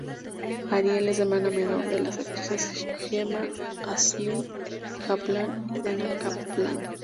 Ariel es hermana menor de las actrices Gemma-Ashley Kaplan y Dena Kaplan.